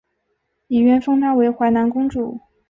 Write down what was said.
李渊封她为淮南公主。